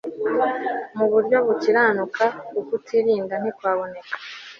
mu buryo bukiranuka ukutirinda ntikwaboneka